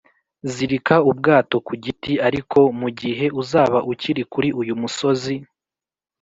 zirika ubwato ku giti; ariko mu gihe uzaba ukiri kuri uyu musozi